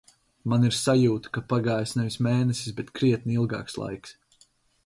Man ir sajūta, ka pagājis nevis mēnesis, bet krietni ilgāks laiks.